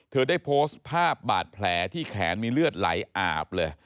เธอได้โพสต์ภาพบาดแผลที่แขนมีเลือดไหลอาบเลย